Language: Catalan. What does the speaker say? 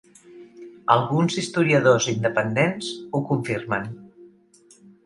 Alguns historiadors independents ho confirmen.